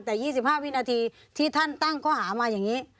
แต่๒๕วินาทีที่ท่านตั้งข้อหามาอย่างนี้